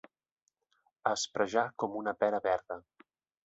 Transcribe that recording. Asprejar com una pera verda.